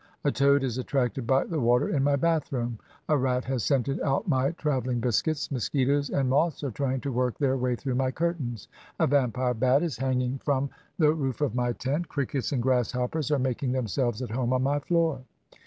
A toad is attracted by the water in my bathroom, a rat has scented out my traveling biscuits, mosquitoes and moths are trying to work their way through my curtains, a vampire bat is hanging from 229 INDIA the roof of my tent, crickets and grasshoppers are mak ing themselves at home on my floor.